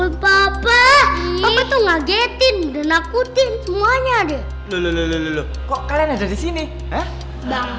ropo keral atau pensil